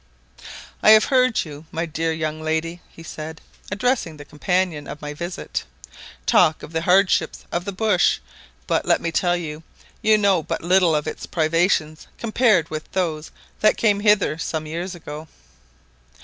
"I have heard you, my dear young lady," he said, addressing the companion of my visit, "talk of the hardships of the bush; but, let me tell you, you know but little of its privations compared with those that came hither some years ago.